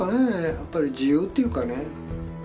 やっぱり自由っていうかね